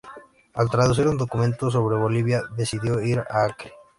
Al traducir un documento sobre Bolivia, decidió ir a Acre.